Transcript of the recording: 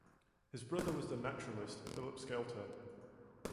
His brother was the naturalist Philip Sclater.